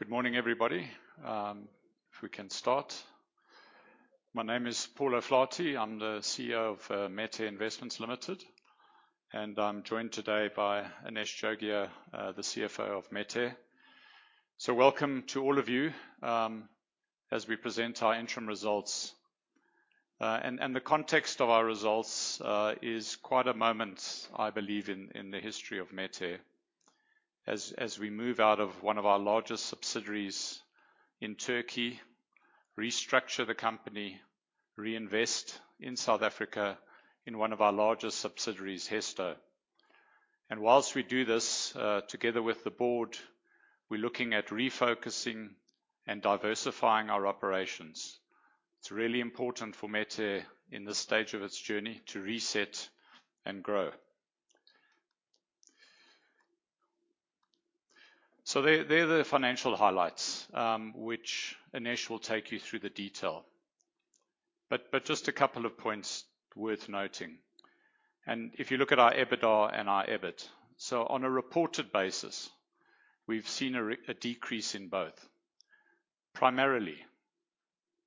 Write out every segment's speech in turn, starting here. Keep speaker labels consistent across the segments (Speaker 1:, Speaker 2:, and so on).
Speaker 1: Good morning, everybody. If we can start. My name is Paul O'Flaherty. I am the CEO of Metair Investments Limited, and I am joined today by Anesh Jogia, the CFO of Metair. Welcome to all of you as we present our interim results. The context of our results is quite a moment, I believe, in the history of Metair. As we move out of one of our largest subsidiaries in Turkey, restructure the company, reinvest in South Africa in one of our largest subsidiaries, Hesto. Whilst we do this, together with the board, we are looking at refocusing and diversifying our operations. It is really important for Metair in this stage of its journey to reset and grow. There are the financial highlights, which Anesh will take you through the detail. Just a couple of points worth noting. If you look at our EBITDA and our EBIT. On a reported basis, we have seen a decrease in both, primarily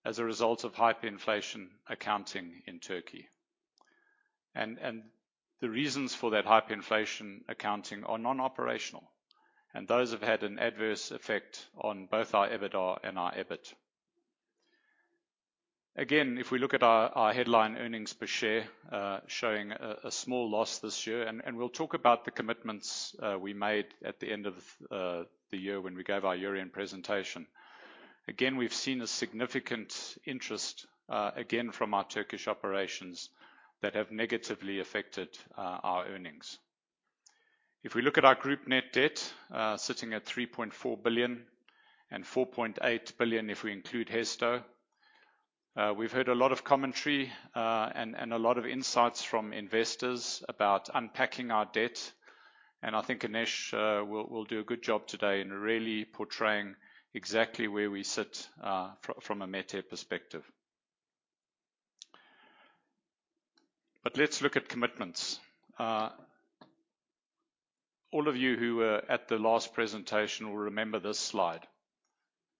Speaker 1: as a result of hyperinflation accounting in Turkey. The reasons for that hyperinflation accounting are non-operational, and those have had an adverse effect on both our EBITDA and our EBIT. If we look at our headline earnings per share, showing a small loss this year, and we will talk about the commitments we made at the end of the year when we gave our year-end presentation. We have seen a significant interest, again, from our Turkish operations that have negatively affected our earnings. If we look at our group net debt, sitting at 3.4 billion and 4.8 billion if we include Hesto. We have heard a lot of commentary, and a lot of insights from investors about unpacking our debt. I think Anesh will do a good job today in really portraying exactly where we sit from a Metair perspective. Let us look at commitments. All of you who were at the last presentation will remember this slide,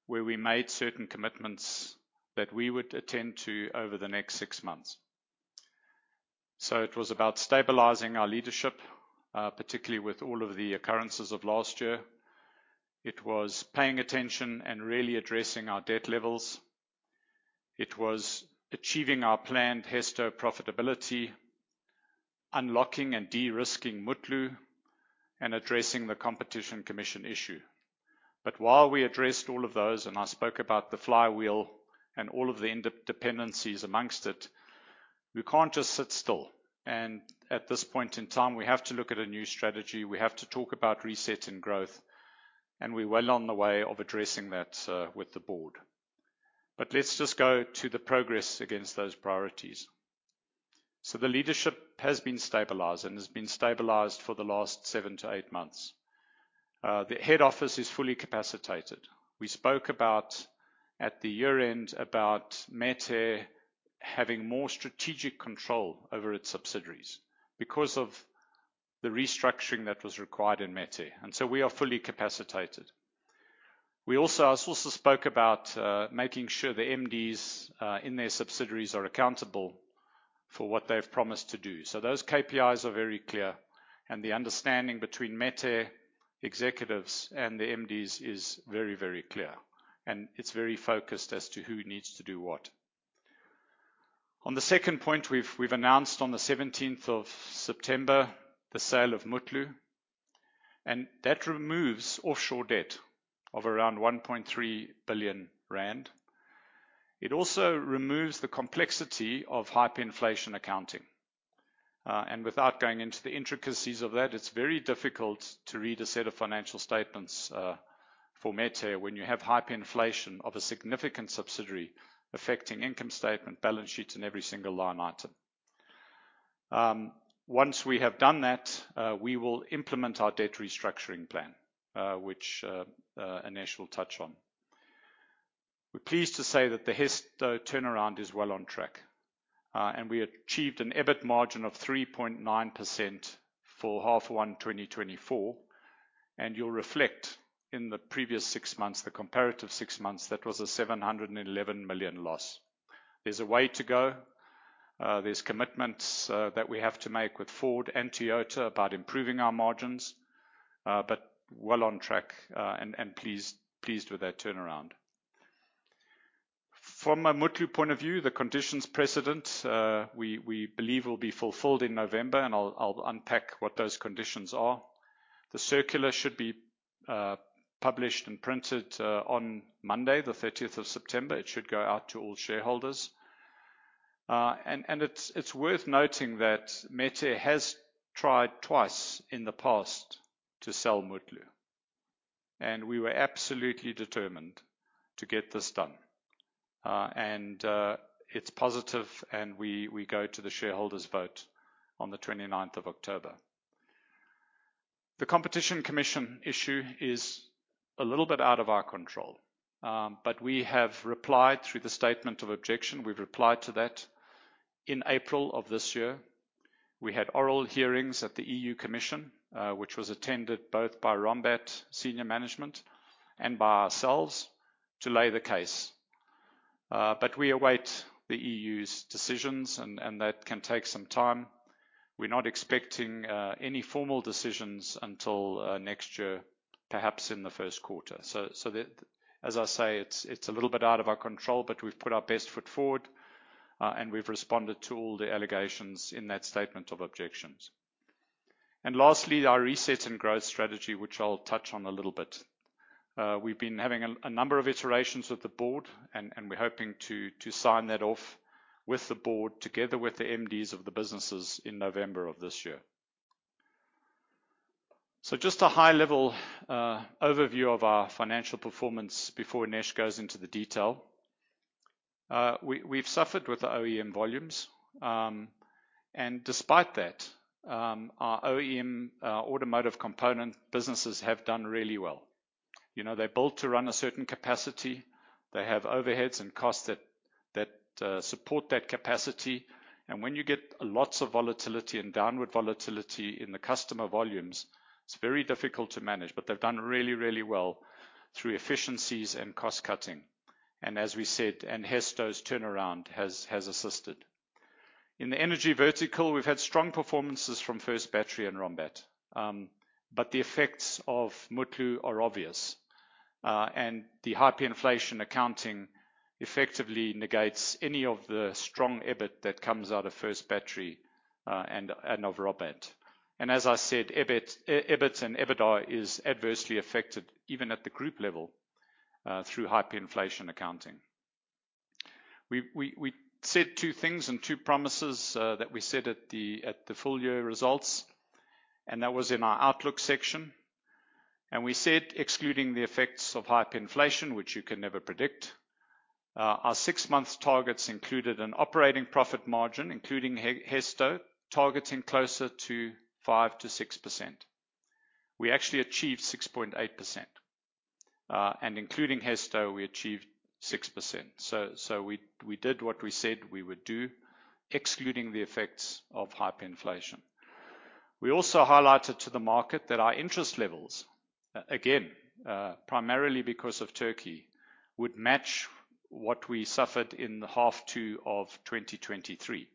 Speaker 1: where we made certain commitments that we would attend to over the next 6 months. It was about stabilizing our leadership, particularly with all of the occurrences of last year. It was paying attention and really addressing our debt levels. It was achieving our planned Hesto profitability, unlocking and de-risking Mutlu, and addressing the Competition Commission issue. While we addressed all of those, and I spoke about the flywheel and all of the interdependencies amongst it, we cannot just sit still. At this point in time, we have to look at a new strategy. We have to talk about reset and growth, and we are well on the way of addressing that with the board. Let us just go to the progress against those priorities. The leadership has been stabilized and has been stabilized for the last 7 to 8 months. The head office is fully capacitated. We spoke about, at the year-end, about Metair having more strategic control over its subsidiaries because of the restructuring that was required in Metair, and we are fully capacitated. I also spoke about making sure the MDs in their subsidiaries are accountable for what they have promised to do. Those KPIs are very clear, and the understanding between Metair executives and the MDs is very, very clear, and it is very focused as to who needs to do what. On the second point, we've announced on the 17th of September the sale of Mutlu. That removes offshore debt of around 1.3 billion rand. It also removes the complexity of hyperinflation accounting. Without going into the intricacies of that, it's very difficult to read a set of financial statements for Metair when you have hyperinflation of a significant subsidiary affecting income statement, balance sheets, and every single line item. Once we have done that, we will implement our debt restructuring plan, which Anesh will touch on. We're pleased to say that the Hesto turnaround is well on track. We achieved an EBIT margin of 3.9% for half one 2024. You'll reflect in the previous six months, the comparative six months, that was a 711 million loss. There's a way to go. There's commitments that we have to make with Ford and Toyota about improving our margins. Well on track and pleased with that turnaround. From a Mutlu point of view, the conditions precedent, we believe will be fulfilled in November. I'll unpack what those conditions are. The circular should be published and printed on Monday, the 30th of September. It should go out to all shareholders. It's worth noting that Metair has tried twice in the past to sell Mutlu. We were absolutely determined to get this done. It's positive. We go to the shareholders vote on the 29th of October. The Competition Commission issue is a little bit out of our control. We have replied through the statement of objection. We've replied to that in April of this year. We had oral hearings at the EU Commission, which was attended both by Rombat senior management and by ourselves to lay the case. We await the EU's decisions. That can take some time. We're not expecting any formal decisions until next year, perhaps in the first quarter. As I say, it's a little bit out of our control. We've put our best foot forward. We've responded to all the allegations in that statement of objections. Lastly, our reset and growth strategy, which I'll touch on a little bit. We've been having a number of iterations with the board. We're hoping to sign that off with the board together with the MDs of the businesses in November of this year. Just a high-level overview of our financial performance before Anesh goes into the detail. We've suffered with the OEM volumes. Despite that, our OEM automotive component businesses have done really well. They're built to run a certain capacity. They have overhead and costs that support that capacity. When you get lots of volatility and downward volatility in the customer volumes, it's very difficult to manage. They've done really well through efficiencies and cost-cutting. As we said, Hesto's turnaround has assisted. In the energy vertical, we've had strong performances from First Battery and Rombat. The effects of Mutlu are obvious. The hyperinflation accounting effectively negates any of the strong EBIT that comes out of First Battery and of Rombat. As I said, EBIT and EBITDA is adversely affected even at the group level, through hyperinflation accounting. We said two things and two promises that we said at the full-year results. That was in our outlook section. We said, excluding the effects of hyperinflation, which you can never predict, our six-month targets included an operating profit margin, including Hesto, targeting closer to 5%-6%. We actually achieved 6.8%. Including Hesto, we achieved 6%. We did what we said we would do, excluding the effects of hyperinflation. We also highlighted to the market that our interest levels, again, primarily because of Turkey, would match what we suffered in the half 2 of 2023.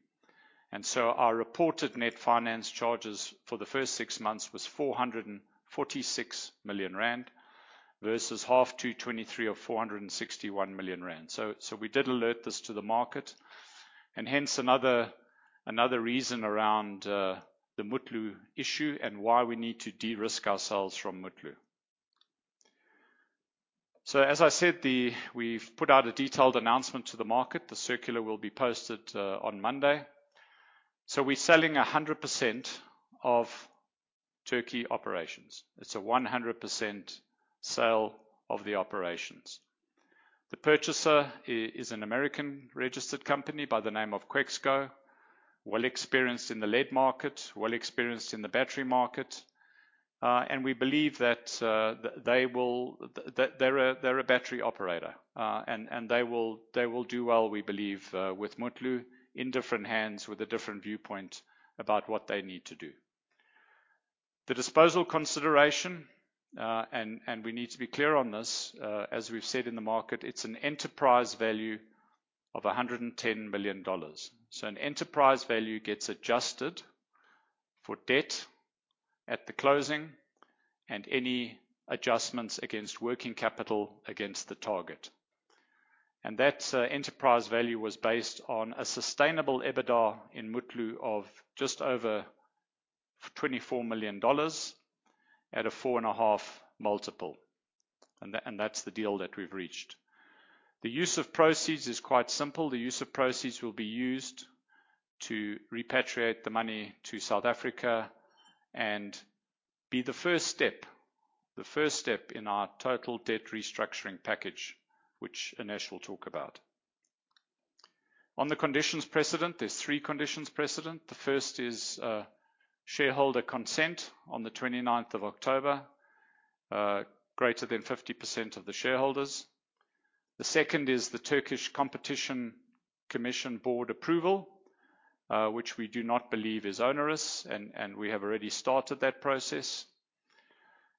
Speaker 1: Our reported net finance charges for the first 6 months was 446 million rand versus half 2023 of 461 million rand. We did alert this to the market, and hence another reason around the Mutlu issue and why we need to de-risk ourselves from Mutlu. As I said, we've put out a detailed announcement to the market. The circular will be posted on Monday. We're selling 100% of Turkey operations. It's a 100% sale of the operations. The purchaser is an American-registered company by the name of Quexco, well experienced in the lead market, well experienced in the battery market. They're a battery operator, and they will do well, we believe, with Mutlu in different hands with a different viewpoint about what they need to do. The disposal consideration, and we need to be clear on this, as we've said in the market, it's an enterprise value of $110 million. An enterprise value gets adjusted for debt at the closing and any adjustments against working capital against the target. That enterprise value was based on a sustainable EBITDA in Mutlu of just over $24 million at a 4.5x multiple. That's the deal that we've reached. The use of proceeds is quite simple. The use of proceeds will be used to repatriate the money to South Africa and be the first step, the first step in our total debt restructuring package, which Anesh will talk about. On the conditions precedent, there's three conditions precedent. The first is shareholder consent on the 29th of October, greater than 50% of the shareholders. The second is the Turkish Competition Authority board approval, which we do not believe is onerous, and we have already started that process.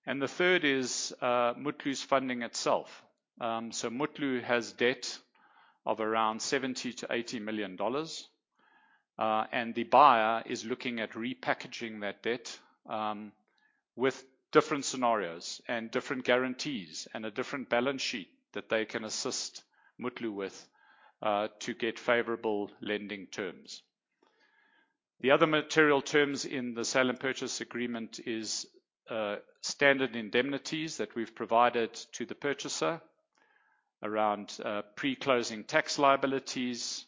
Speaker 1: The third is Mutlu's funding itself. Mutlu has debt of around $70 million-$80 million. The buyer is looking at repackaging that debt with different scenarios and different guarantees and a different balance sheet that they can assist Mutlu with to get favorable lending terms. The other material terms in the sale and purchase agreement is standard indemnities that we've provided to the purchaser around pre-closing tax liabilities.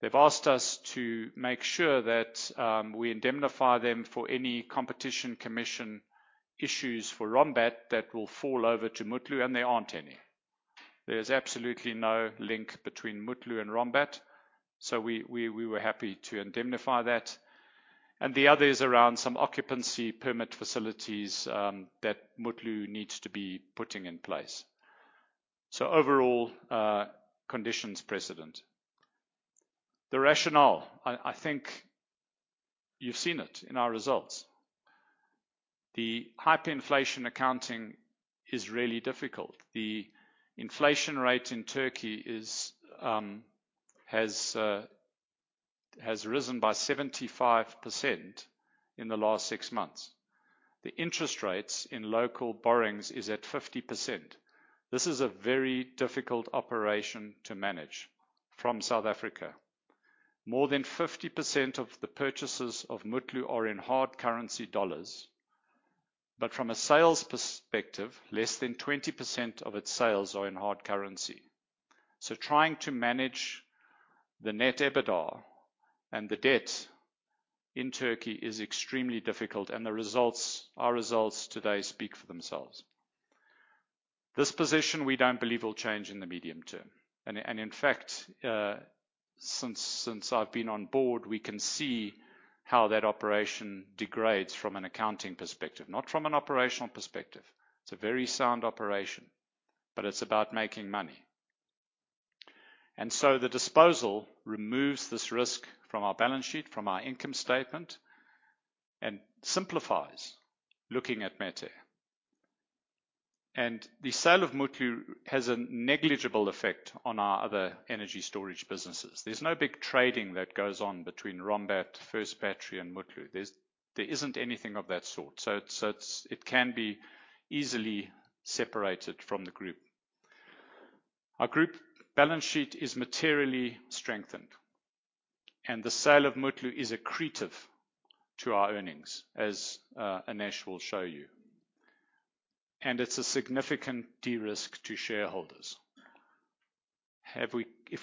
Speaker 1: They've asked us to make sure that we indemnify them for any Competition Commission issues for Rombat that will fall over to Mutlu, and there aren't any. There's absolutely no link between Mutlu and Rombat, so we were happy to indemnify that. The other is around some occupancy permit facilities that Mutlu needs to be putting in place. Overall, conditions precedent. The rationale, I think you've seen it in our results. The hyperinflation accounting is really difficult. The inflation rate in Turkey has risen by 75% in the last 6 months. The interest rates in local borrowings is at 50%. This is a very difficult operation to manage from South Africa. More than 50% of the purchases of Mutlu are in hard currency dollars. From a sales perspective, less than 20% of its sales are in hard currency. Trying to manage the net EBITDA and the debt in Turkey is extremely difficult, and our results today speak for themselves. This position we don't believe will change in the medium term. In fact, since I've been on board, we can see how that operation degrades from an accounting perspective, not from an operational perspective. It's a very sound operation, but it's about making money. The disposal removes this risk from our balance sheet, from our income statement, and simplifies looking at Metair. The sale of Mutlu has a negligible effect on our other energy storage businesses. There's no big trading that goes on between Rombat, First Battery, and Mutlu. There isn't anything of that sort. It can be easily separated from the group. Our group balance sheet is materially strengthened, the sale of Mutlu is accretive to our earnings, as Aneesh will show you, and it's a significant de-risk to shareholders. If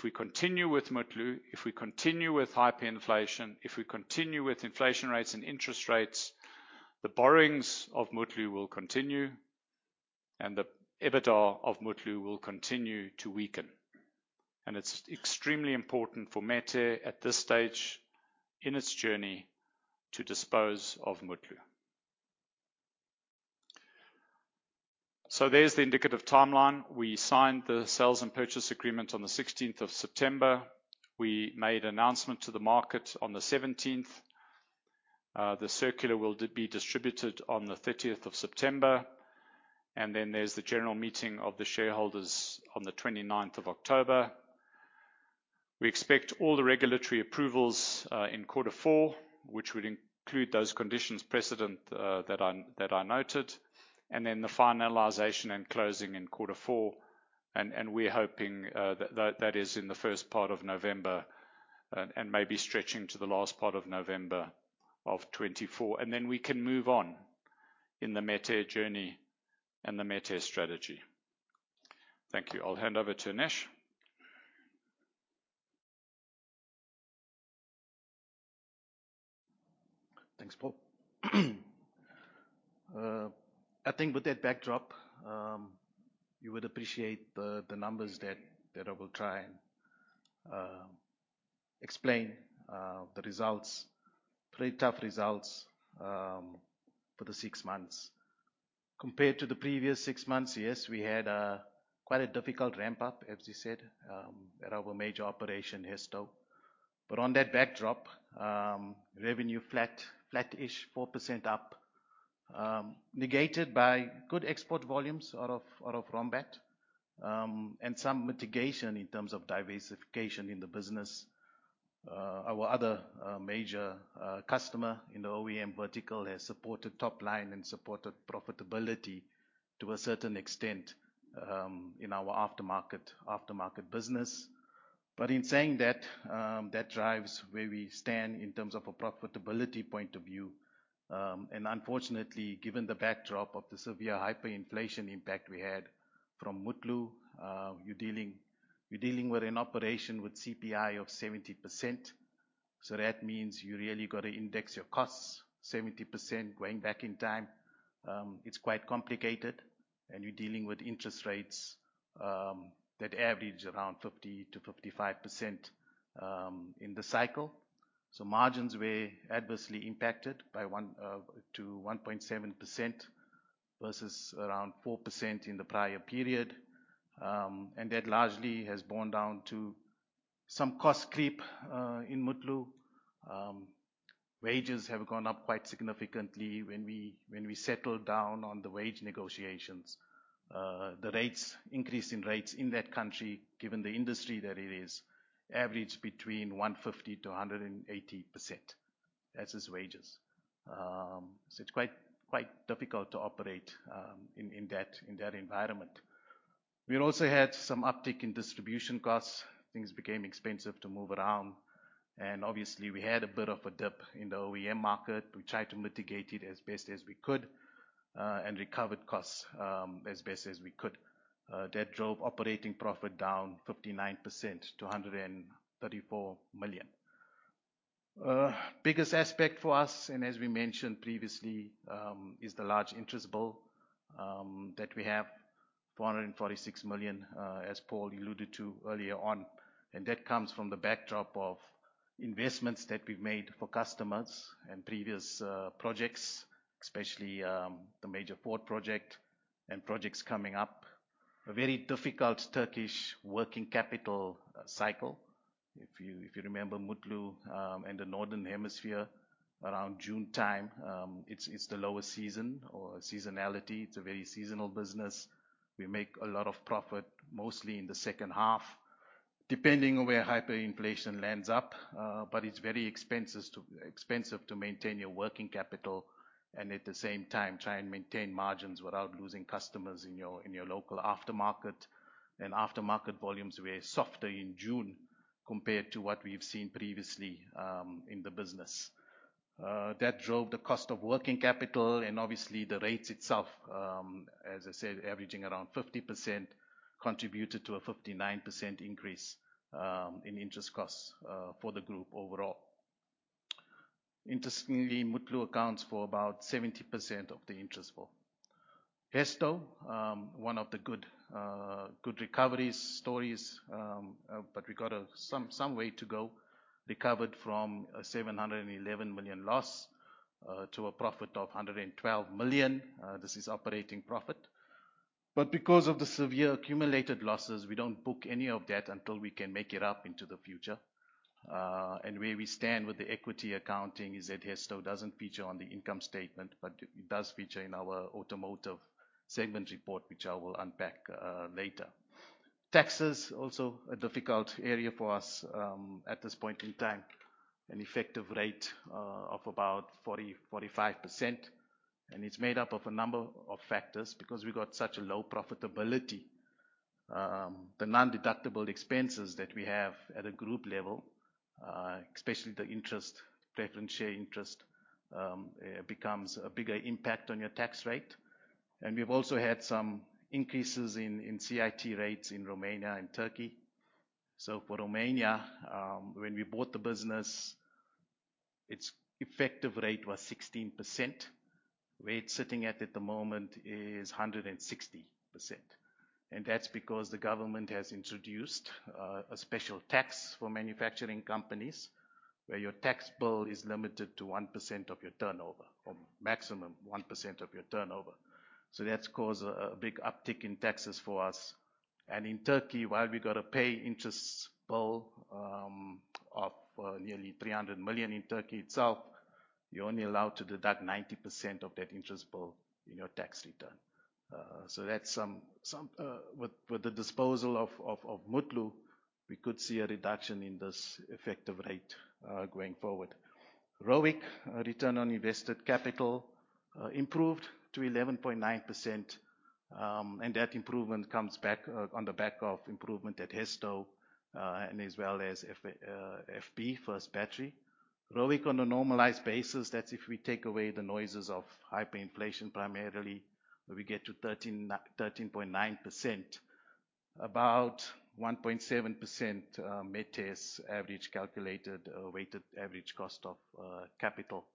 Speaker 1: we continue with Mutlu, if we continue with hyperinflation, if we continue with inflation rates and interest rates, the borrowings of Mutlu will continue, and the EBITDA of Mutlu will continue to weaken. It's extremely important for Metair at this stage in its journey to dispose of Mutlu. There's the indicative timeline. We signed the sales and purchase agreement on the 16th of September. We made announcement to the market on the 17th. The circular will be distributed on the 30th of September, there's the general meeting of the shareholders on the 29th of October. We expect all the regulatory approvals in quarter four, which would include those conditions precedent that I noted, the finalization and closing in quarter four, we're hoping that is in the first part of November, maybe stretching to the last part of November of 2024. We can move on in the Metair journey and the Metair strategy. Thank you. I'll hand over to Aneesh.
Speaker 2: Thanks, Paul. I think with that backdrop, you would appreciate the numbers that I will try and explain the results. Pretty tough results for the six months. Compared to the previous six months, yes, we had quite a difficult ramp-up, as you said, at our major operation, Hesto. On that backdrop, revenue flat-ish, 4% up, negated by good export volumes out of Rombat, and some mitigation in terms of diversification in the business. Our other major customer in the OEM vertical has supported top line and supported profitability to a certain extent, in our aftermarket business. In saying that drives where we stand in terms of a profitability point of view. Unfortunately, given the backdrop of the severe hyperinflation impact we had from Mutlu, you're dealing with an operation with CPI of 70%. That means you really got to index your costs 70% going back in time. It's quite complicated, and you're dealing with interest rates that average around 50%-55% in the cycle. Margins were adversely impacted by to 1.7% versus around 4% in the prior period. That largely has borne down to some cost creep in Mutlu. Wages have gone up quite significantly when we settled down on the wage negotiations. The rates, increase in rates in that country, given the industry that it is, average between 150%-180%. That is wages. It's quite difficult to operate in that environment. We also had some uptick in distribution costs. Things became expensive to move around, and obviously, we had a bit of a dip in the OEM market. We tried to mitigate it as best as we could, and recovered costs as best as we could. That drove operating profit down 59% to $134 million. Biggest aspect for us, as we mentioned previously, is the large interest bill that we have, $446 million, as Paul alluded to earlier on. That comes from the backdrop of investments that we've made for customers and previous projects Especially the major Ford project and projects coming up. A very difficult Turkish working capital cycle. If you remember Mutlu and the northern hemisphere, around June time, it's the lowest season or seasonality. It's a very seasonal business. We make a lot of profit, mostly in the second half. Depending on where hyperinflation lands up, but it's very expensive to maintain your working capital and at the same time try and maintain margins without losing customers in your local aftermarket. Aftermarket volumes were softer in June compared to what we've seen previously in the business. That drove the cost of working capital and obviously the rates itself, as I said, averaging around 50%, contributed to a 59% increase in interest costs for the group overall. Interestingly, Mutlu accounts for about 70% of the interest bill. Hesto, one of the good recovery stories, but we got some way to go, recovered from a 711 million loss to a profit of 112 million. This is operating profit. Because of the severe accumulated losses, we don't book any of that until we can make it up into the future. Where we stand with the equity accounting is that Hesto doesn't feature on the income statement, but it does feature in our automotive segment report, which I will unpack later. Taxes, also a difficult area for us, at this point in time. An effective rate of about 45%, and it's made up of a number of factors because we got such a low profitability. The non-deductible expenses that we have at a group level, especially the interest, preference share interest, becomes a bigger impact on your tax rate. We've also had some increases in CIT rates in Romania and Turkey. For Romania, when we bought the business, its effective rate was 16%. Where it's sitting at at the moment is 160%. That's because the government has introduced a special tax for manufacturing companies, where your tax bill is limited to 1% of your turnover, or maximum 1% of your turnover. That's caused a big uptick in taxes for us. In Turkey, while we got a pay interest bill of nearly 300 million in Turkey itself, you're only allowed to deduct 90% of that interest bill in your tax return. With the disposal of Mutlu, we could see a reduction in this effective rate, going forward. ROIC, return on invested capital, improved to 11.9%, that improvement comes on the back of improvement at Hesto, as well as First Battery. ROIC on a normalized basis, that's if we take away the noises of hyperinflation primarily, where we get to 13.9%. About 1.7% Metair's average calculated, weighted average cost of capital.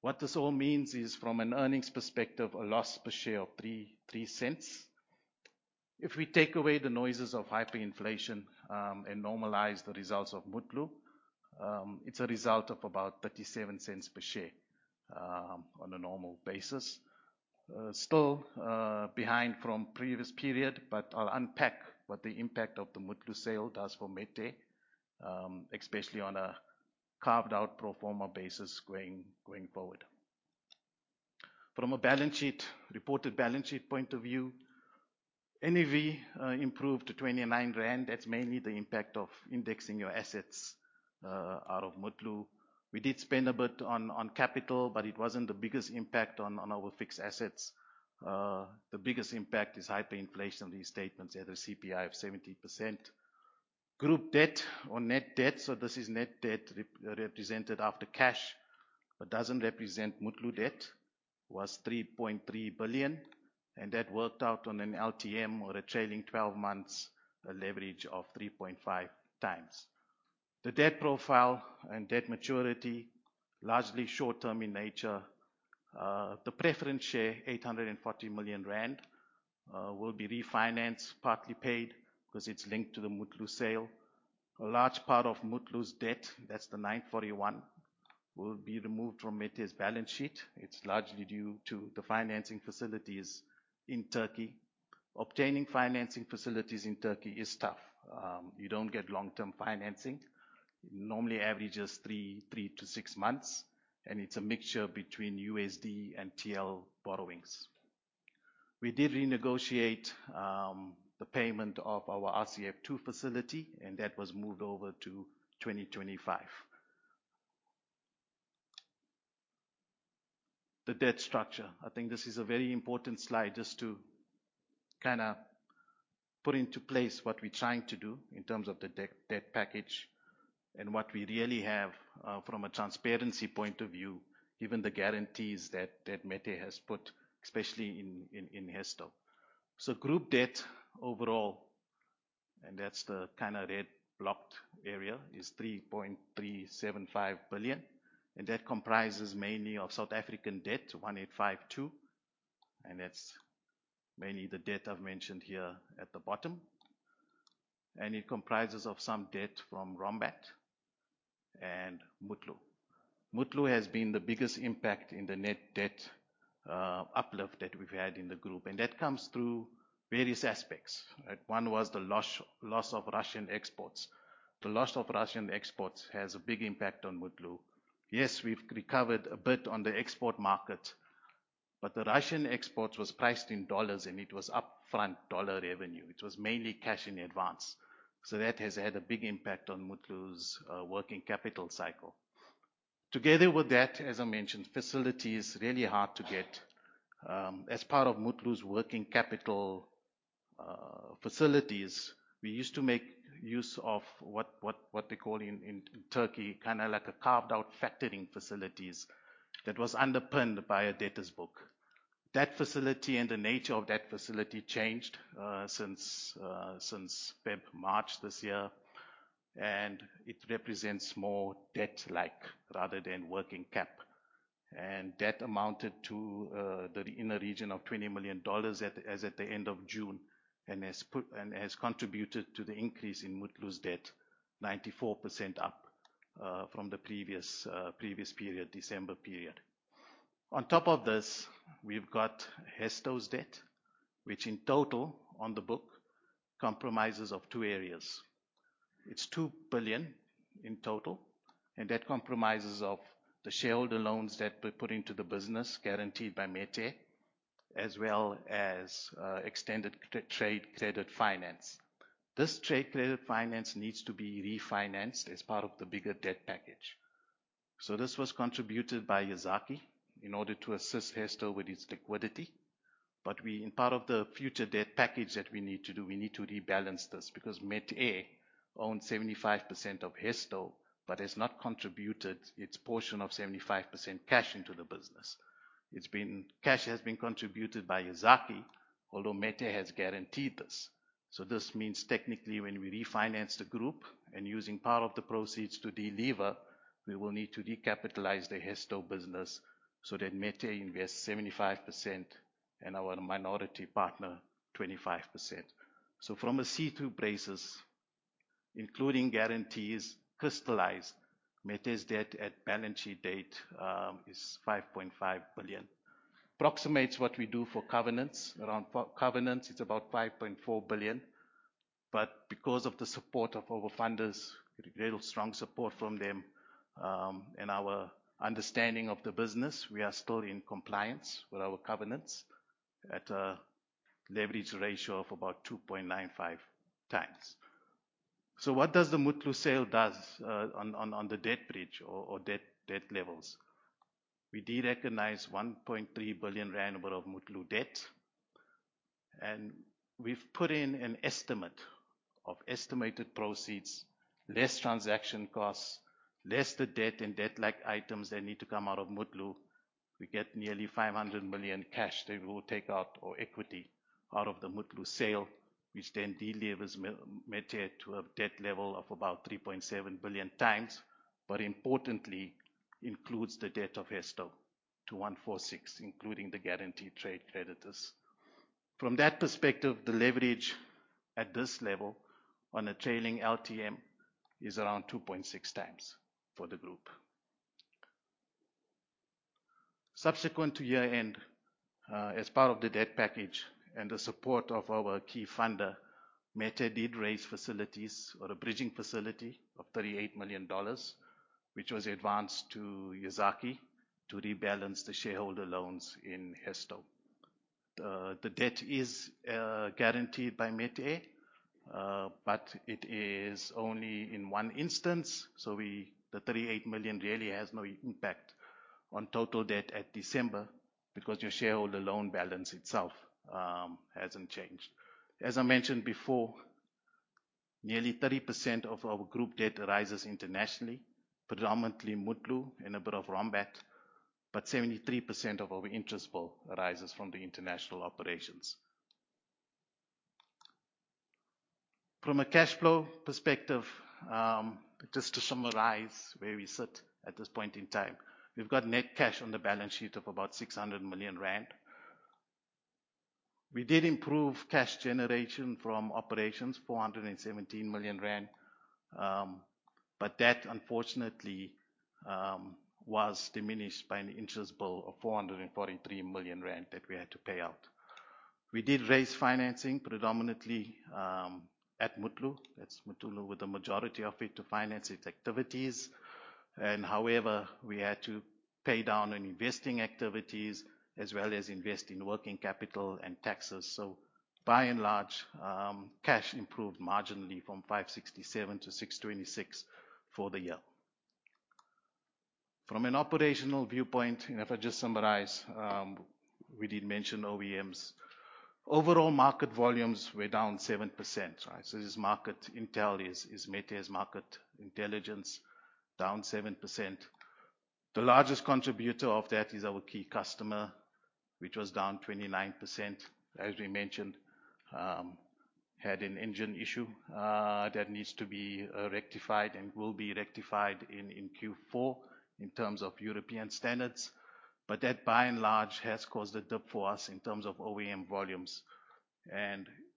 Speaker 2: What this all means is from an earnings perspective, a loss per share of 0.03. If we take away the noises of hyperinflation, normalize the results of Mutlu, it's a result of about 0.37 per share, on a normal basis. Still behind from previous period, I'll unpack what the impact of the Mutlu sale does for Metair, especially on a carved-out pro forma basis going forward. From a reported balance sheet point of view, NAV improved to 29 rand. That's mainly the impact of indexing your assets out of Mutlu. We did spend a bit on capital, it wasn't the biggest impact on our fixed assets. The biggest impact is hyperinflation. These statements had a CPI of 70%. Group debt or net debt, this is net debt represented after cash, but doesn't represent Mutlu debt, was 3.3 billion, that worked out on an LTM or a trailing 12 months, a leverage of 3.5 times. The debt profile and debt maturity, largely short-term in nature. The preference share, 840 million rand, will be refinanced, partly paid because it's linked to the Mutlu sale. A large part of Mutlu's debt, that's the 941 million, will be removed from Metair's balance sheet. It's largely due to the financing facilities in Turkey. Obtaining financing facilities in Turkey is tough. You don't get long-term financing. It normally averages three to six months, it's a mixture between USD and TRY borrowings. We did renegotiate the payment of our RCF2 facility, that was moved over to 2025. The debt structure. I think this is a very important slide just to kind of put into place what we're trying to do in terms of the debt package, what we really have from a transparency point of view, given the guarantees that Metair has put, especially in Hesto. Group debt overall, that's the kind of red blocked area, is 3.375 billion, that comprises mainly of South African debt, 1,852 million, that's mainly the debt I've mentioned here at the bottom. It comprises of some debt from Rombat and Mutlu. Mutlu has been the biggest impact in the net debt uplift that we've had in the group, that comes through various aspects, right? One was the loss of Russian exports. The loss of Russian exports has a big impact on Mutlu. Yes, we've recovered a bit on the export market, but the Russian export was priced in U.S. dollars, it was upfront U.S. dollar revenue. It was mainly cash in advance. That has had a big impact on Mutlu's working capital cycle. Together with that, as I mentioned, facility is really hard to get. As part of Mutlu's working capital facilities, we used to make use of what they call in Turkey, like a carved-out factoring facilities that was underpinned by a debtors book. That facility and the nature of that facility changed since March this year, and it represents more debt-like rather than working cap. That amounted to in the region of $20 million as at the end of June, and has contributed to the increase in Mutlu's debt, 94% up from the previous December period. On top of this, we've got Hesto's debt, which in total on the book comprises of two areas. It's 2 billion in total, and that comprises of the shareholder loans debt we put into the business guaranteed by Metair, as well as extended trade credit finance. This trade credit finance needs to be refinanced as part of the bigger debt package. This was contributed by Yazaki in order to assist Hesto with its liquidity. But in part of the future debt package that we need to do, we need to rebalance this because Metair owns 75% of Hesto but has not contributed its portion of 75% cash into the business. Cash has been contributed by Yazaki, although Metair has guaranteed this. This means technically when we refinance the group and using part of the proceeds to delever, we will need to recapitalize the Hesto business so that Metair invests 75% and our minority partner 25%. From a C2 basis, including guarantees crystallized, Metair's debt at balance sheet date is 5.5 billion. Approximates what we do for covenants. Around covenants, it's about 5.4 billion. Because of the support of our funders, real strong support from them, and our understanding of the business, we are still in compliance with our covenants at a leverage ratio of about 2.95 times. What does the Mutlu sale do on the debt bridge or debt levels? We derecognize 1.3 billion rand worth of Mutlu debt, and we've put in an estimate of estimated proceeds, less transaction costs, less the debt and debt-like items that need to come out of Mutlu. We get nearly 500 million cash that we'll take out or equity out of the Mutlu sale, which then delevers Metair to a debt level of about 3.7 billion, but importantly includes the debt of Hesto to 1.46 billion, including the guaranteed trade creditors. From that perspective, the leverage at this level on a trailing LTM is around 2.6 times for the group. Subsequent to year-end, as part of the debt package and the support of our key funder, Metair did raise facilities or a bridging facility of $38 million, which was advanced to Yazaki to rebalance the shareholder loans in Hesto. The debt is guaranteed by Metair, but it is only in one instance, so the $38 million really has no impact on total debt at December because your shareholder loan balance itself hasn't changed. As I mentioned before, nearly 30% of our group debt arises internationally, predominantly Mutlu and a bit of Rombat, but 73% of our interest bill arises from the international operations. From a cash flow perspective, just to summarize where we sit at this point in time. We've got net cash on the balance sheet of about 600 million rand. We did improve cash generation from operations, 417 million rand, but that unfortunately, was diminished by an interest bill of 443 million rand that we had to pay out. We did raise financing predominantly, at Mutlu. That's Mutlu with the majority of it to finance its activities. However, we had to pay down on investing activities as well as invest in working capital and taxes. So by and large, cash improved marginally from 567 to 626 for the year. From an operational viewpoint, if I just summarize, we did mention OEMs. Overall market volumes were down 7%, right? So this is market intel, is Metair's market intelligence down 7%. That by and large has caused a dip for us in terms of OEM volumes. The largest contributor of that is our key customer, which was down 29%, as we mentioned, had an engine issue, that needs to be rectified and will be rectified in Q4 in terms of European standards. And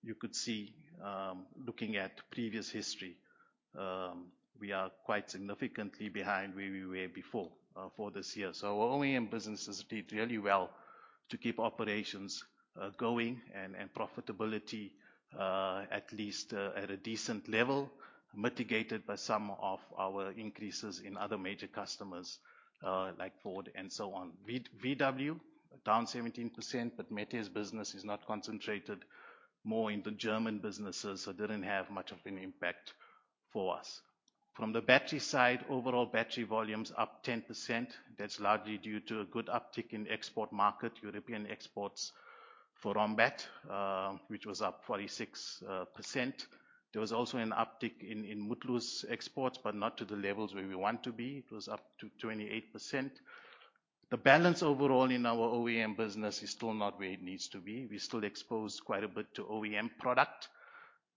Speaker 2: you could see, looking at previous history, we are quite significantly behind where we were before for this year. So our OEM business has did really well to keep operations going and profitability, at least at a decent level, mitigated by some of our increases in other major customers like Ford and so on. VW, down 17%, but Metair's business is not concentrated more in the German businesses, so didn't have much of an impact for us. From the battery side, overall battery volume's up 10%. That's largely due to a good uptick in export market, European exports for Rombat, which was up 46%. There was also an uptick in Mutlu's exports, but not to the levels where we want to be. It was up to 28%. The balance overall in our OEM business is still not where it needs to be. We're still exposed quite a bit to OEM product,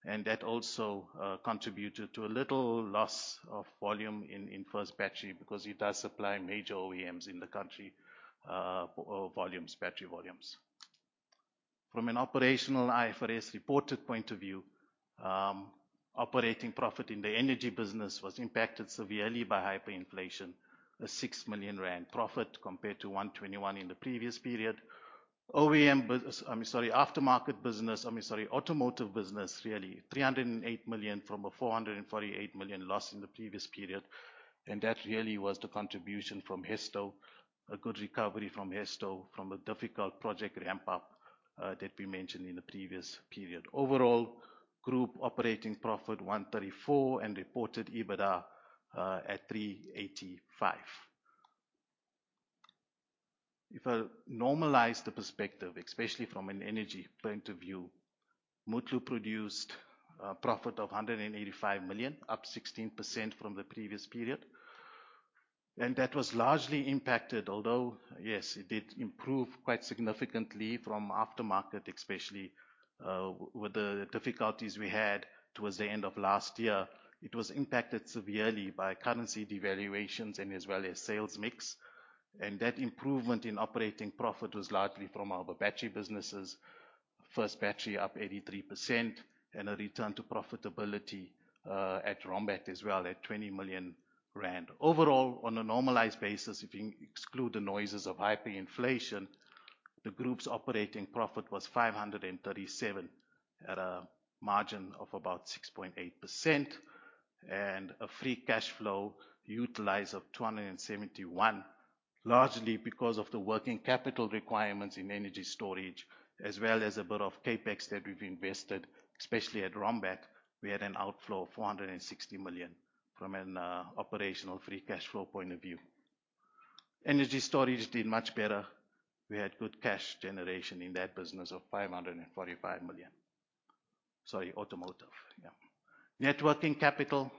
Speaker 2: and that also contributed to a little loss of volume in First Battery because it does supply major OEMs in the country, battery volumes. From an operational IFRS reported point of view, operating profit in the energy business was impacted severely by hyperinflation. A 6 million rand profit compared to 121 in the previous period. OEM business-- I'm sorry, aftermarket business, I'm sorry, automotive business really, 308 million from a 448 million loss in the previous period, and that really was the contribution from Hesto. A good recovery from Hesto from a difficult project ramp up that we mentioned in the previous period. Overall, group operating profit 134 and reported EBITDA at 385. If I normalize the perspective, especially from an energy point of view, Mutlu produced a profit of 185 million, up 16% from the previous period. That was largely impacted, although, yes, it did improve quite significantly from aftermarket especially, with the difficulties we had towards the end of last year. It was impacted severely by currency devaluations and as well as sales mix. And that improvement in operating profit was largely from our battery businesses. First Battery up 83% and a return to profitability, at Rombat as well at 20 million rand. Overall, on a normalized basis, if you exclude the noises of hyperinflation, the group's operating profit was 537 at a margin of about 6.8% and a free cash flow utilize of 271, largely because of the working capital requirements in energy storage as well as a bit of CapEx that we've invested, especially at Rombat. We had an outflow of 460 million from an operational free cash flow point of view. Energy storage did much better. We had good cash generation in that business of 545 million. Sorry, automotive. Yeah. Net working capital.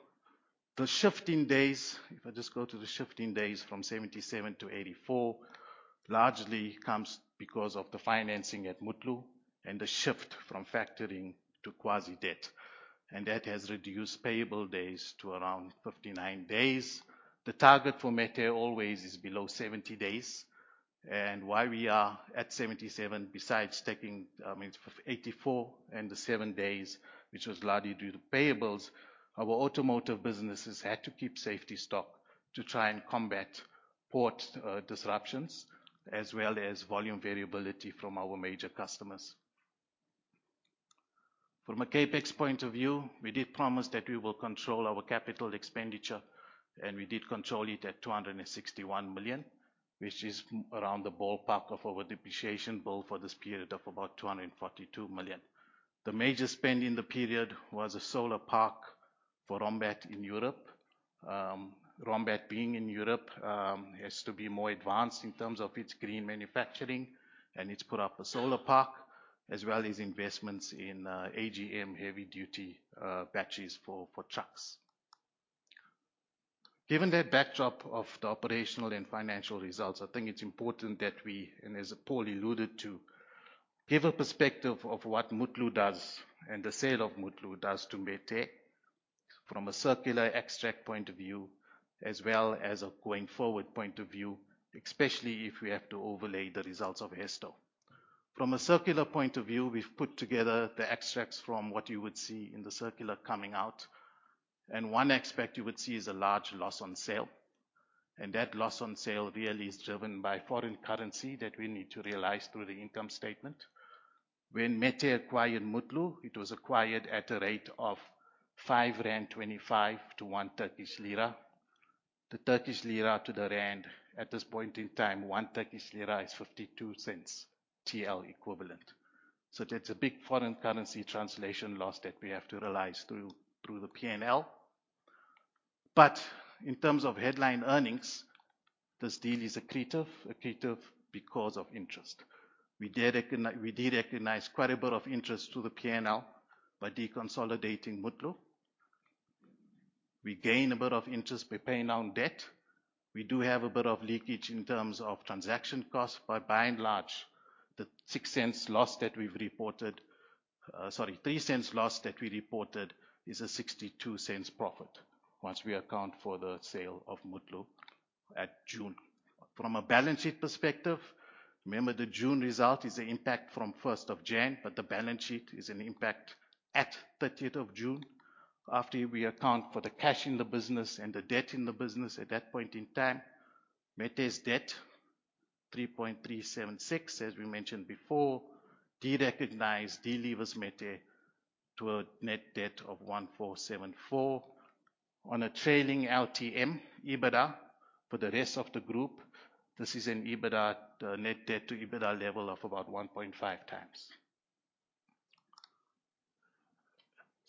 Speaker 2: The shift in days, if I just go to the shift in days from 77 to 84, largely comes because of the financing at Mutlu and the shift from factoring to quasi-debt. That has reduced payable days to around 59 days. The target for Metair always is below 70 days. Why we are at 77 besides taking, I mean, 84 and the seven days, which was largely due to payables. Our automotive businesses had to keep safety stock to try and combat port disruptions as well as volume variability from our major customers. From a CapEx point of view, we did promise that we will control our capital expenditure, we did control it at 261 million, which is around the ballpark of our depreciation bill for this period of about 242 million. The major spend in the period was a solar park for Rombat in Europe. Rombat being in Europe, has to be more advanced in terms of its green manufacturing, it's put up a solar park as well as investments in AGM heavy duty batteries for trucks. Given that backdrop of the operational and financial results, I think it's important that we, as Paul alluded to, give a perspective of what Mutlu does and the sale of Mutlu does to Metair from a circular extract point of view as well as a going forward point of view, especially if we have to overlay the results of Hesto. From a circular point of view, we've put together the extracts from what you would see in the circular coming out. One aspect you would see is a large loss on sale. That loss on sale really is driven by foreign currency that we need to realize through the income statement. When Metair acquired Mutlu, it was acquired at a rate of 5.25 rand to one Turkish lira. The Turkish lira to the ZAR at this point in time, one Turkish lira is 0.52 equivalent. That's a big foreign currency translation loss that we have to realize through the P&L. In terms of headline earnings, this deal is accretive. Accretive because of interest. We did recognize quite a bit of interest through the P&L by deconsolidating Mutlu. We gain a bit of interest by paying down debt. We do have a bit of leakage in terms of transaction costs, by and large, the 0.03 loss that we reported is a 0.62 profit once we account for the sale of Mutlu at June. From a balance sheet perspective, remember the June result is the impact from 1st of January, but the balance sheet is an impact at 30th of June. After we account for the cash in the business and the debt in the business at that point in time, Metair's debt, 3.376 billion, as we mentioned before, derecognize, delever Metair to a net debt of 1,474 million on a trailing LTM EBITDA for the rest of the group. This is a net debt to EBITDA level of about 1.5 times.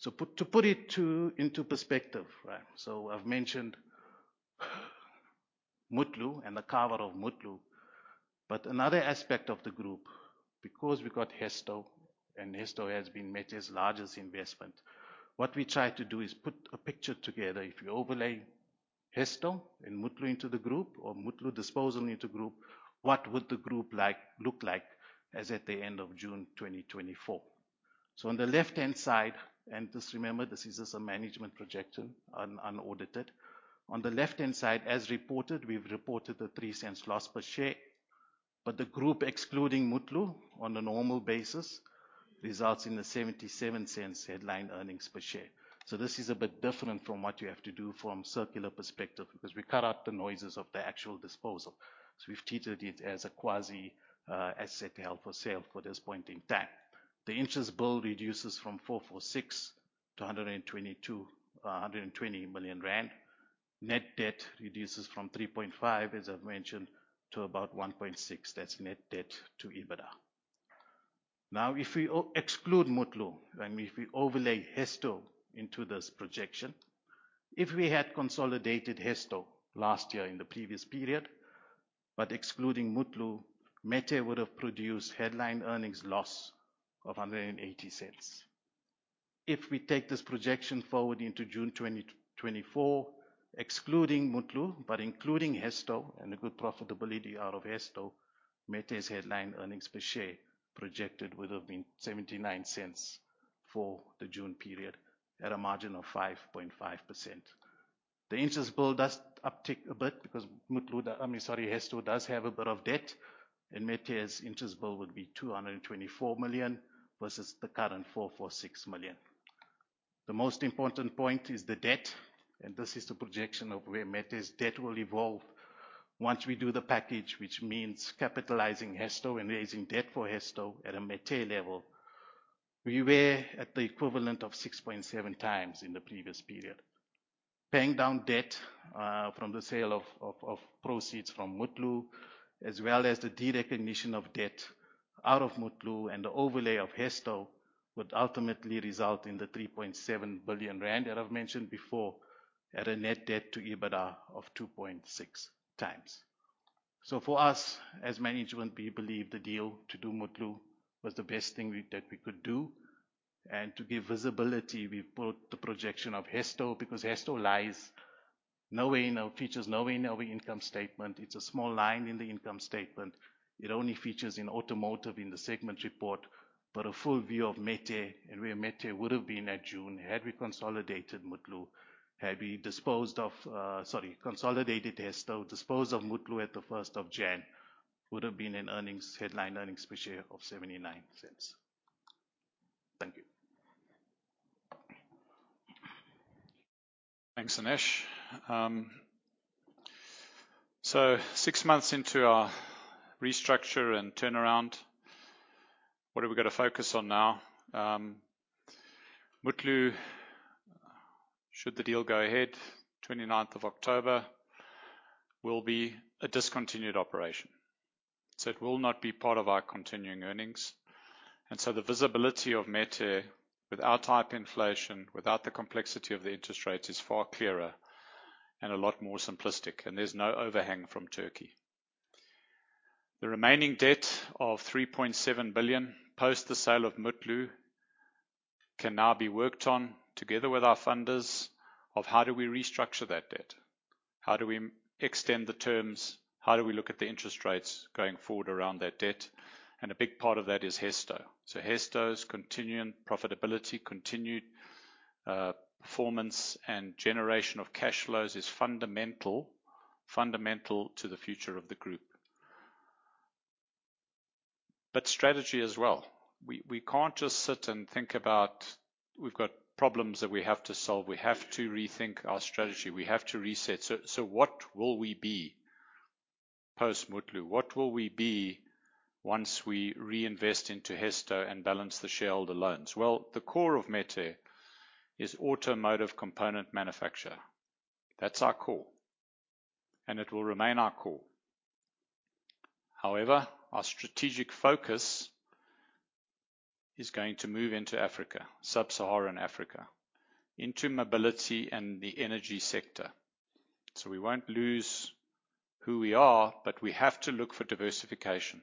Speaker 2: To put it into perspective, right? I've mentioned Mutlu and the cover of Mutlu. But another aspect of the group, because we got Hesto and Hesto has been Metair's largest investment. What we try to do is put a picture together. If you overlay Hesto and Mutlu into the group or Mutlu disposal into group, what would the group look like as at the end of June 2024? On the left-hand side, and just remember, this is just a management projection, unaudited. On the left-hand side as reported, we've reported the 0.03 loss per share, but the group excluding Mutlu on a normal basis, results in the 0.77 headline earnings per share. This is a bit different from what you have to do from circular perspective because we cut out the noises of the actual disposal. We've treated it as a quasi asset held for sale for this point in time. The interest bill reduces from 446 million to 120 million rand. Net debt reduces from 3.5 billion, as I've mentioned, to about 1.6 billion. That's net debt to EBITDA. Now, if we exclude Mutlu, and if we overlay Hesto into this projection, if we had consolidated Hesto last year in the previous period, but excluding Mutlu, Metair would have produced headline earnings loss of 1.80. If we take this projection forward into June 2024, excluding Mutlu but including Hesto and the good profitability out of Hesto, Metair's headline earnings per share projected would have been 0.79 for the June period at a margin of 5.5%. The interest bill does uptick a bit because Mutlu, I mean, sorry, Hesto does have a bit of debt, and Metair's interest bill would be 224 million versus the current 446 million. The most important point is the debt, and this is the projection of where Metair's debt will evolve once we do the package, which means capitalizing Hesto and raising debt for Hesto at a Metair level. We were at the equivalent of 6.7 times in the previous period. Paying down debt from the sale of proceeds from Mutlu, as well as the derecognition of debt out of Mutlu and the overlay of Hesto would ultimately result in the 3.7 billion rand that I've mentioned before at a net debt to EBITDA of 2.6 times. For us as management, we believe the deal to do Mutlu was the best thing that we could do. To give visibility, we put the projection of Hesto, because Hesto lies nowhere in our features, nowhere in our income statement. It's a small line in the income statement. It only features in automotive in the segment report. A full view of Metair and where Metair would've been at June, had we consolidated Mutlu, had we disposed of Sorry, consolidated Hesto, disposed of Mutlu at the 1st of January, would have been in headline earnings per share of 0.79. Thank you.
Speaker 1: Thanks, Anesh. Six months into our restructure and turnaround, what have we got to focus on now? Mutlu, should the deal go ahead, 29th of October, will be a discontinued operation. It will not be part of our continuing earnings. The visibility of Metair without hyperinflation, without the complexity of the interest rates, is far clearer and a lot more simplistic, and there's no overhang from Turkey. The remaining debt of 3.7 billion post the sale of Mutlu can now be worked on together with our funders of how do we restructure that debt? How do we extend the terms? How do we look at the interest rates going forward around that debt? A big part of that is Hesto. Hesto's continuing profitability, continued performance and generation of cash flows is fundamental to the future of the group. Strategy as well. We can't just sit and think about we've got problems that we have to solve. We have to rethink our strategy. We have to reset. What will we be post Mutlu? What will we be once we reinvest into Hesto and balance the shareholder loans? Well, the core of Metair is automotive component manufacture. That's our core, and it will remain our core. However, our strategic focus is going to move into Africa, sub-Saharan Africa, into mobility and the energy sector. We won't lose who we are, but we have to look for diversification.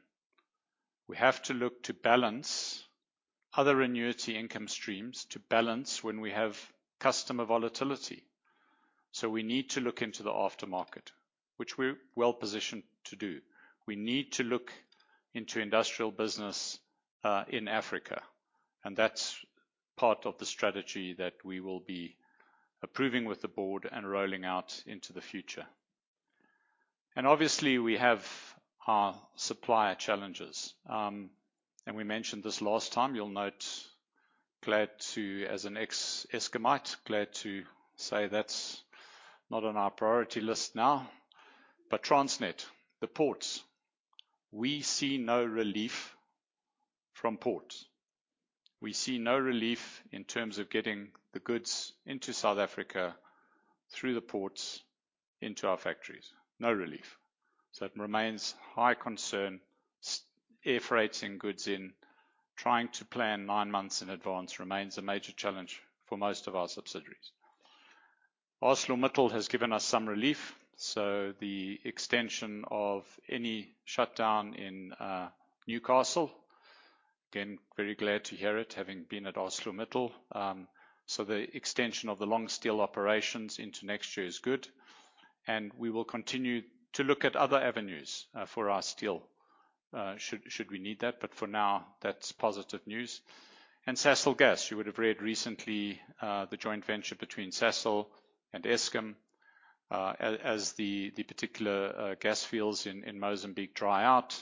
Speaker 1: We have to look to balance other annuity income streams to balance when we have customer volatility. We need to look into the aftermarket, which we're well-positioned to do. We need to look into industrial business in Africa, that's part of the strategy that we will be approving with the board and rolling out into the future. Obviously we have our supplier challenges, and we mentioned this last time. You'll note, glad to, as an ex-Eskomite, glad to say that's not on our priority list now, Transnet, the ports, we see no relief from ports. We see no relief in terms of getting the goods into South Africa through the ports into our factories, no relief. It remains high concern, air freighting goods in, trying to plan nine months in advance remains a major challenge for most of our subsidiaries. ArcelorMittal has given us some relief, the extension of any shutdown in Newcastle, again, very glad to hear it having been at ArcelorMittal. The extension of the long steel operations into next year is good, we will continue to look at other avenues for our steel, should we need that, for now, that's positive news. Sasol Gas, you would have read recently the joint venture between Sasol and Eskom. As the particular gas fields in Mozambique dry out,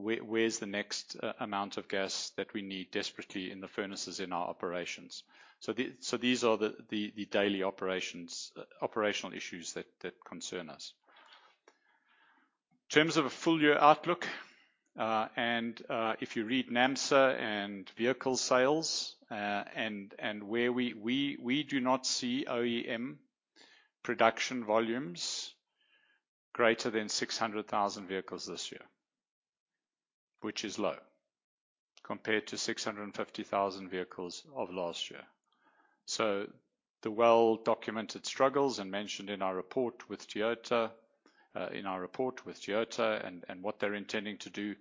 Speaker 1: where's the next amount of gas that we need desperately in the furnaces in our operations? These are the daily operational issues that concern us. In terms of a full year outlook, if you read naamsa and vehicle sales, where we do not see OEM production volumes greater than 600,000 vehicles this year, which is low compared to 650,000 vehicles of last year. The well-documented struggles and mentioned in our report with Toyota, and what they're intending to do,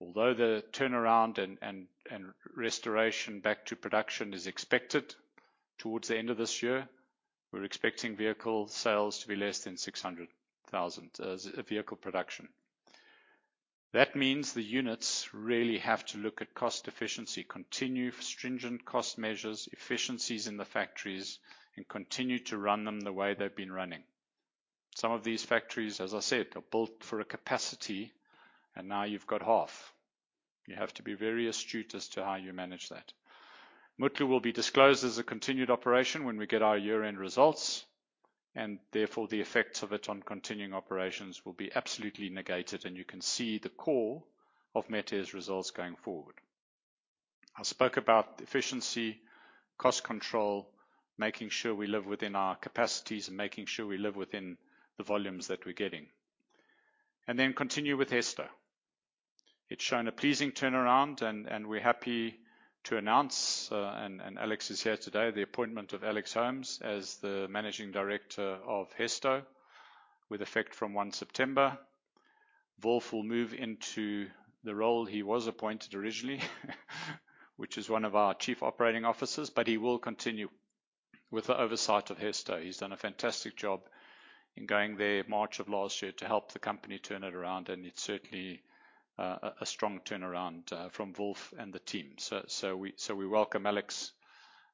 Speaker 1: although the turnaround and restoration back to production is expected towards the end of this year, we're expecting vehicle sales to be less than 600,000 as a vehicle production. That means the units really have to look at cost efficiency, continue stringent cost measures, efficiencies in the factories, and continue to run them the way they've been running. Some of these factories, as I said, are built for a capacity, and now you've got half. You have to be very astute as to how you manage that. Mutlu will be disclosed as a continued operation when we get our year-end results, and therefore the effects of it on continuing operations will be absolutely negated, and you can see the core of Metair's results going forward. I spoke about efficiency, cost control, making sure we live within our capacities, and making sure we live within the volumes that we're getting. Then continue with Hesto. It's shown a pleasing turnaround. We're happy to announce, and Alex is here today, the appointment of Alex Holmes as the managing director of Hesto with effect from one September. Wolf will move into the role he was appointed originally which is one of our Chief Operating Officers, but he will continue with the oversight of Hesto. He's done a fantastic job in going there March of last year to help the company turn it around, and it's certainly a strong turnaround from Wolf and the team. We welcome Alex,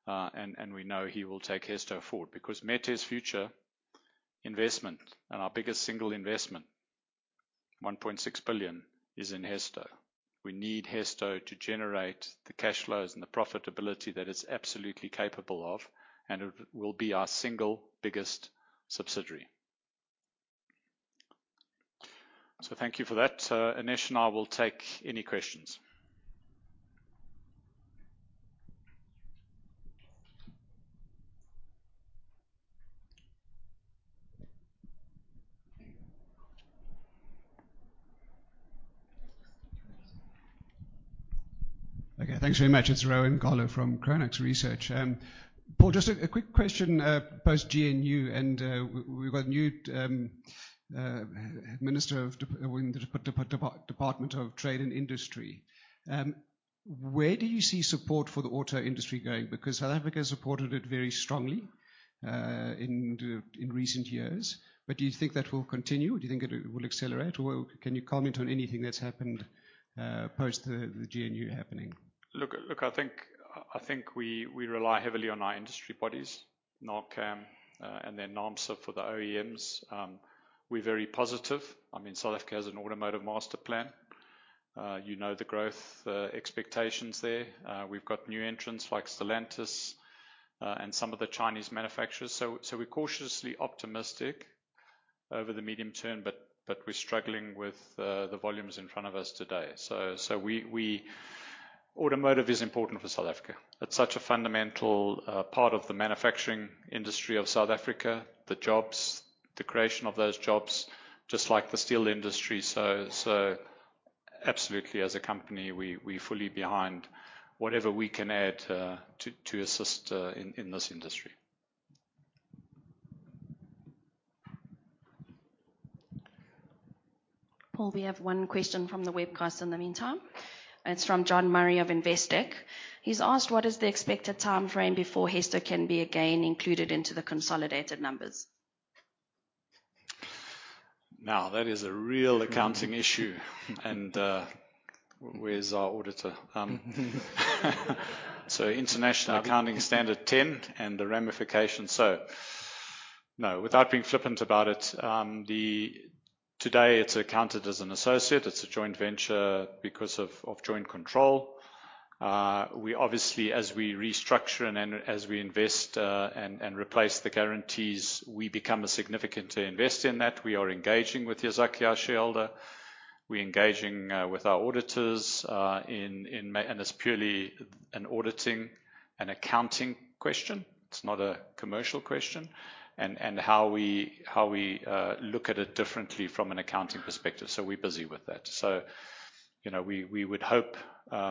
Speaker 1: and we know he will take Hesto forward because Metair's future investment and our biggest single investment, 1.6 billion, is in Hesto. We need Hesto to generate the cash flows and the profitability that it's absolutely capable of, and it will be our single biggest subsidiary. Thank you for that. Anesh and I will take any questions.
Speaker 3: Okay, thanks very much. It's Rowan Carlo from Cronax Research. Paul, just a quick question, post-GNU, we got a new minister of Department of Trade and Industry. Where do you see support for the auto industry going? Because South Africa supported it very strongly in recent years, but do you think that will continue? Do you think it will accelerate? Or can you comment on anything that's happened post the GNU happening?
Speaker 1: Look, I think we rely heavily on our industry bodies, NAACAM, and then NAAMSA for the OEMs. We are very positive. South Africa has an automotive master plan. You know the growth expectations there. We have new entrants like Stellantis, and some of the Chinese manufacturers. We are cautiously optimistic over the medium term, but we are struggling with the volumes in front of us today. Automotive is important for South Africa. It is such a fundamental part of the manufacturing industry of South Africa, the jobs, the creation of those jobs, just like the steel industry. Absolutely, as a company, we are fully behind whatever we can add to assist in this industry.
Speaker 4: Paul, we have one question from the webcast in the meantime. It is from John Murray of Investec. He has asked: what is the expected timeframe before Hesto can be again included into the consolidated numbers?
Speaker 1: Now, that is a real accounting issue. And where is our auditor? International Accounting Standard 10 and the ramification. No, without being flippant about it, today it is accounted as an associate. It is a joint venture because of joint control. Obviously, as we restructure and as we invest and replace the guarantees, we become a significant investor in that. We are engaging with Yazaki our shareholder, we are engaging with our auditors, and it is purely an auditing and accounting question. It is not a commercial question. And how we look at it differently from an accounting perspective. We are busy with that. We would hope,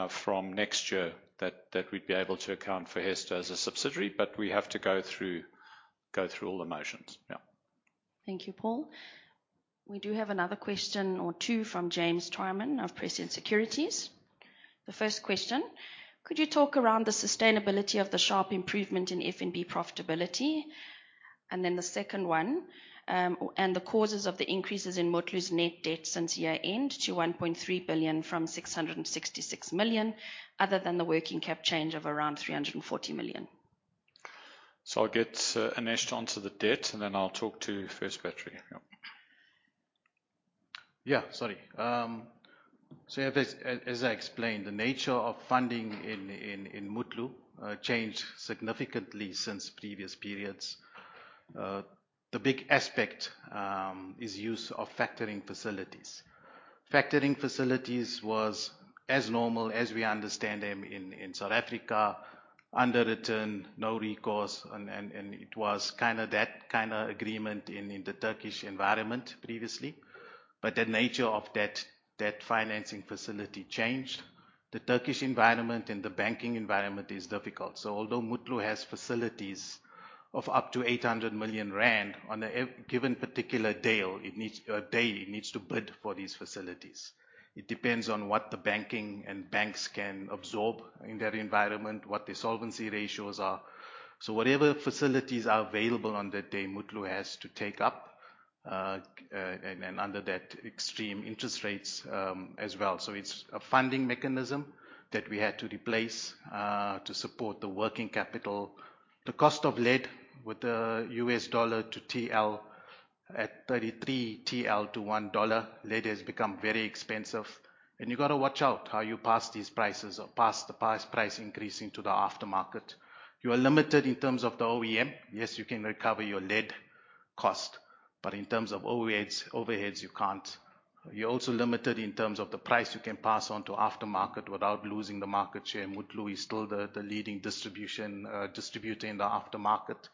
Speaker 1: from next year, that we would be able to account for Hesto as a subsidiary, but we have to go through all the motions. Yeah.
Speaker 4: Thank you, Paul. We do have another question or two from James Tyerman of Prescient Securities. The first question: could you talk around the sustainability of the sharp improvement in FNB profitability? And then the second one: and the causes of the increases in Mutlu's net debt since year-end to $1.3 billion from $666 million, other than the working cap change of around $340 million.
Speaker 1: I'll get Anesh to answer the debt, and then I'll talk to First Battery. Yeah.
Speaker 2: Yeah. Sorry. As I explained, the nature of funding in Mutlu changed significantly since previous periods. The big aspect is use of factoring facilities. Factoring facilities was as normal as we understand them in South Africa, underwritten, no recourse, and it was that kind of agreement in the Turkish environment previously. The nature of that financing facility changed. The Turkish environment and the banking environment is difficult. Although Mutlu has facilities of up to 800 million rand, on a given particular day, it needs to bid for these facilities. It depends on what the banking and banks can absorb in that environment, what their solvency ratios are. Whatever facilities are available on that day, Mutlu has to take up, and under that extreme interest rates as well. It's a funding mechanism that we had to replace to support the working capital. The cost of lead with the US dollar to TL, at 33 TL to $1, lead has become very expensive. You've got to watch out how you pass these prices or pass the price increase into the aftermarket. You are limited in terms of the OEM. Yes, you can recover your lead cost, but in terms of overheads, you can't. You're also limited in terms of the price you can pass on to aftermarket without losing the market share. Mutlu is still the leading distributor in the aftermarket.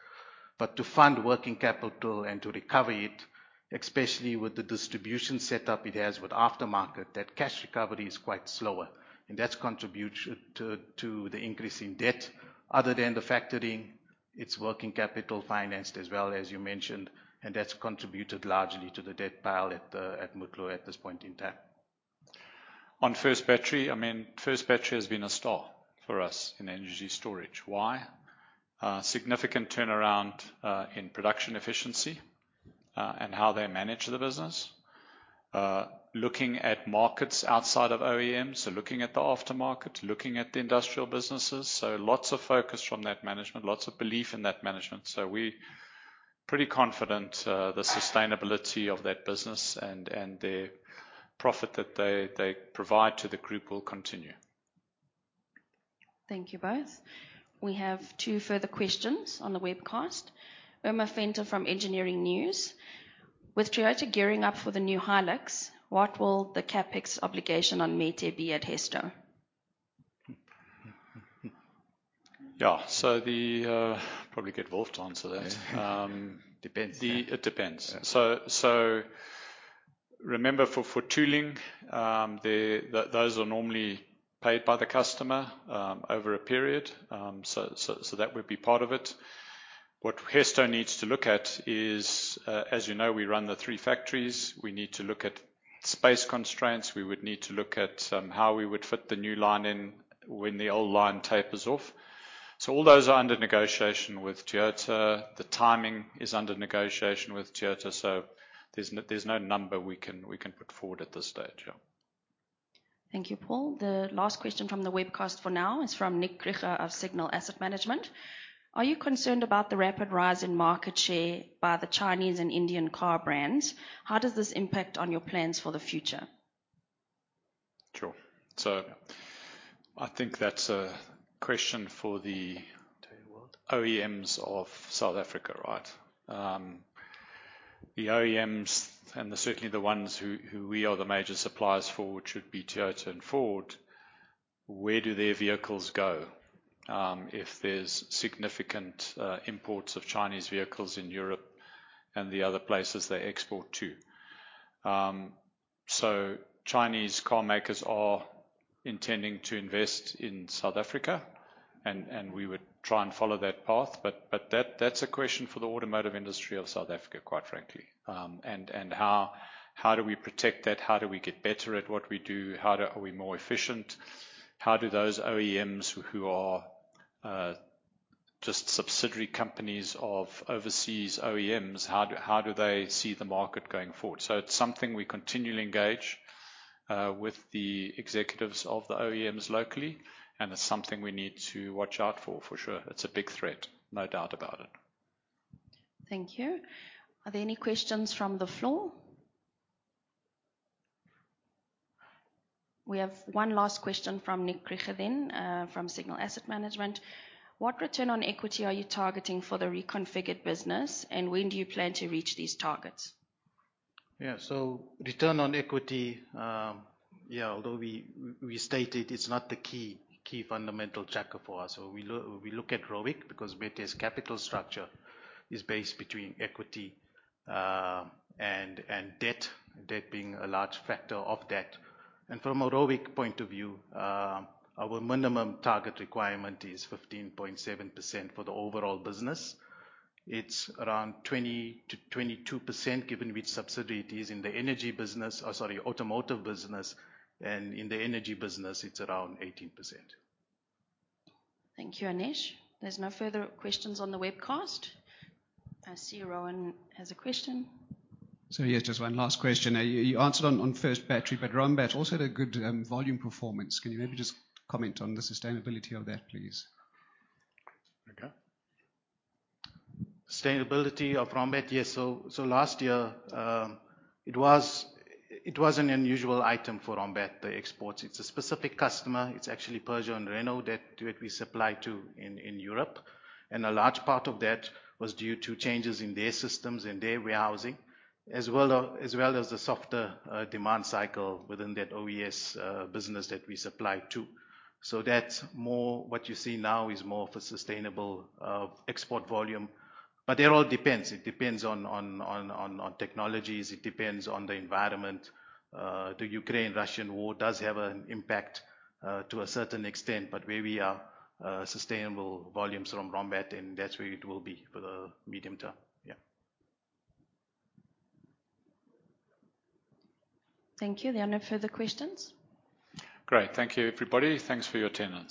Speaker 2: To fund working capital and to recover it, especially with the distribution setup it has with aftermarket, that cash recovery is quite slower, and that's contributed to the increase in debt. Other than the factoring, it's working capital financed as well, as you mentioned, and that's contributed largely to the debt pile at Mutlu at this point in time.
Speaker 1: On First Battery, First Battery has been a star for us in energy storage. Why? Significant turnaround in production efficiency and how they manage the business. Looking at markets outside of OEMs, looking at the aftermarket, looking at the industrial businesses. Lots of focus from that management, lots of belief in that management. We're pretty confident the sustainability of that business and the profit that they provide to the group will continue.
Speaker 4: Thank you both. We have two further questions on the webcast. Irma Venter from Engineering News: With Toyota gearing up for the new Hilux, what will the CapEx obligation on Metair be at Hesto?
Speaker 1: Yeah. Probably get Wulf to answer that.
Speaker 2: Yeah. Depends.
Speaker 1: It depends.
Speaker 2: Yeah.
Speaker 1: Remember, for tooling, those are normally paid by the customer over a period. That would be part of it. What Hesto needs to look at is, as you know, we run the three factories. We need to look at space constraints. We would need to look at how we would fit the new line in when the old line tapers off. All those are under negotiation with Toyota. The timing is under negotiation with Toyota, so there's no number we can put forward at this stage. Yeah.
Speaker 4: Thank you, Paul. The last question from the webcast for now is from Nick Grigor of Signal Asset Management: Are you concerned about the rapid rise in market share by the Chinese and Indian car brands? How does this impact on your plans for the future?
Speaker 1: Sure. I think that's a question.
Speaker 2: Tell me, Wulf.
Speaker 1: OEMs of South Africa, right? The OEMs and certainly the ones who we are the major suppliers for, which would be Toyota and Ford, where do their vehicles go if there's significant imports of Chinese vehicles in Europe and the other places they export to? Chinese car makers are intending to invest in South Africa, and we would try and follow that path. That's a question for the automotive industry of South Africa, quite frankly. How do we protect that? How do we get better at what we do? How are we more efficient? How do those OEMs who are just subsidiary companies of overseas OEMs, how do they see the market going forward? It's something we continually engage with the executives of the OEMs locally, and it's something we need to watch out for sure. It's a big threat, no doubt about it.
Speaker 4: Thank you. Are there any questions from the floor? We have one last question from Nick Grigor then, from Signal Asset Management. What return on equity are you targeting for the reconfigured business, and when do you plan to reach these targets?
Speaker 2: Yeah. Return on equity, although we stated it's not the key fundamental checker for us. We look at ROIC because Metair's capital structure is based between equity and debt being a large factor of that. From a ROIC point of view, our minimum target requirement is 15.7% for the overall business. It's around 20%-22%, given which subsidiary it is in the energy business, or, sorry, automotive business, and in the energy business, it's around 18%.
Speaker 4: Thank you, Anesh. There's no further questions on the webcast. I see Rowan has a question.
Speaker 3: Yes, just one last question. You answered on First Battery, but Rombat also had a good volume performance. Can you maybe just comment on the sustainability of that, please?
Speaker 2: Okay. Sustainability of Rombat. Yeah. Last year, it was an unusual item for Rombat, the exports. It is a specific customer. It is actually Peugeot and Renault that we supply to in Europe. A large part of that was due to changes in their systems and their warehousing, as well as the softer demand cycle within that OES business that we supply to. What you see now is more of a sustainable export volume. It all depends. It depends on technologies. It depends on the environment. The Ukraine-Russian war does have an impact to a certain extent, but where we are, sustainable volumes from Rombat, and that is where it will be for the medium term. Yeah.
Speaker 4: Thank you. There are no further questions.
Speaker 1: Great. Thank you, everybody. Thanks for your attendance.